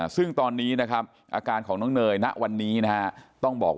ซึ่งตอนนี้นะครับอาการของน้องเนยณวันนี้นะคะ